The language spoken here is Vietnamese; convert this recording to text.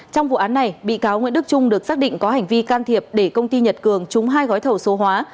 trong vụ án này bị cáo nguyễn đức trung được xác định có hành vi can thiệp để công ty nhật cường trúng hai gói thầu số hóa